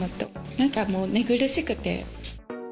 なんかもう、寝苦しくて。